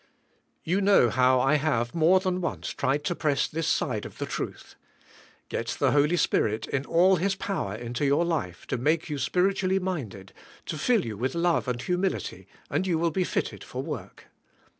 You know how I have, more than once, tried to press this side of the truth. Get the Holy Spirit, in all His power, into your life, to make you spiritually THK hkave; ni.y trkasurk. 159 minded, to fill you with love and humility, and you will be fitted for work.